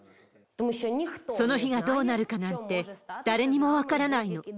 その日がどうなるかなんて、誰にも分らないの。